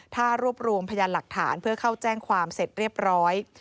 ถ้ารวบรวมพยานหลักฐานเพื่อเข้าแจ้งความเสร็จเรียบร้อย